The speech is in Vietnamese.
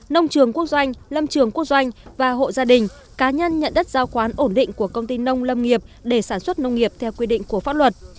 nông trường quốc doanh lâm trường quốc doanh và hộ gia đình cá nhân nhận đất giao khoán ổn định của công ty nông lâm nghiệp để sản xuất nông nghiệp theo quy định của pháp luật